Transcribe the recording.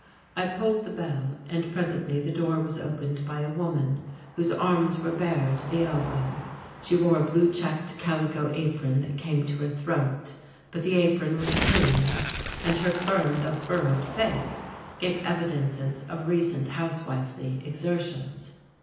I pulled the bell, and presently the door was opened by a woman whose arms were bare to the elbow. She wore a blue checked calico apron that came to her throat, but the apron was clean, and her firm though furrowed face gave evidences of recent housewifely exertions.